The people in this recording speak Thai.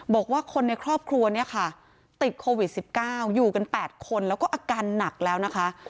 บอกว่าคนในครอบครัวเนี่ยค่ะติดโควิด๑๙อยู่กัน๘คนแล้วก็อาการหนักแล้วนะคะ